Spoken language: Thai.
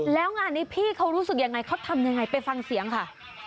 แล้วงานนี้พี่เขารู้สึกยังไงเขาทำยังไงไปฟังเสียงค่ะ